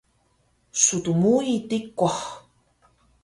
Stmui tikuh